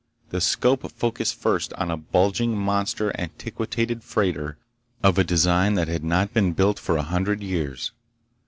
The scope focused first on a bulging, monster, antiquated freighter of a design that had not been built for a hundred years.